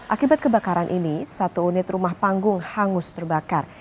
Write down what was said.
akibat kebakaran ini satu unit rumah panggung hangus terbakar